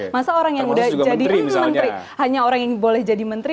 masa orang yang udah jadi menteri hanya orang yang boleh jadi menteri